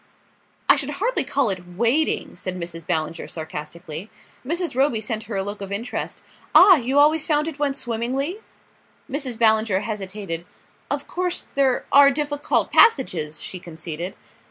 "I should hardly call it wading," said Mrs. Ballinger sarcastically. Mrs. Roby sent her a look of interest. "Ah you always found it went swimmingly?" Mrs. Ballinger hesitated. "Of course there are difficult passages," she conceded.